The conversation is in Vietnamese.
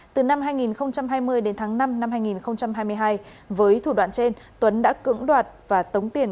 từ năm hai nghìn hai mươi đến tháng năm năm hai nghìn hai mươi hai với thủ đoạn trên tuấn đã cưỡng đoạt và tống tiền